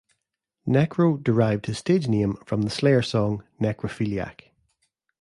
Necro derived his stage-name from the Slayer song "Necrophiliac".